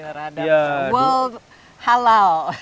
terhadap world halal